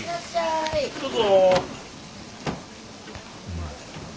どうぞ。